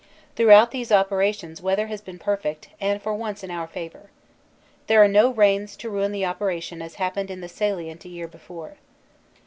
Throughout these opera tions weather has been perfect and for once in our favor. There are no rains to ruin the operation as happened in the Salient a year before.